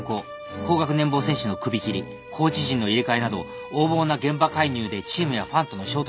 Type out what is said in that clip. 高額年俸選手の首切りコーチ陣の入れ替えなど横暴な現場介入でチームやファンとの衝突が絶えない。